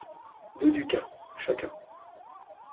deux Ducas, ch.